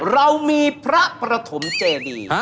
เรามีพระประถมเจดี